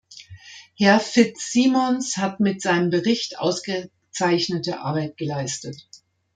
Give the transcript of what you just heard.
Herr Fitzsimons hat mit seinem Bericht ausgezeichnete Arbeit geleistet.